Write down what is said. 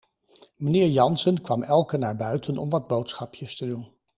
Meneer Jansen kwam elke naar buiten om wat boodschapjes te doen.